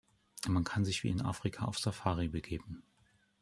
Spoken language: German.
Man kann sich wie in Afrika auf „Safari“ begeben.